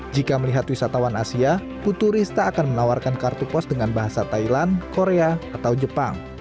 jika melihat wisatawan asia putu rista akan menawarkan kartu pos dengan bahasa thailand korea atau jepang